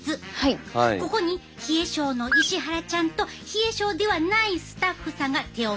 ここに冷え症の石原ちゃんと冷え症ではないスタッフさんが手を浸します。